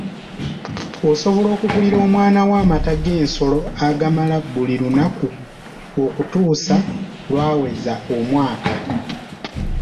Osobola okugulira omwana wo amata g'ensolo agamala buli lunaku okutuusa lw'aweza emwaka.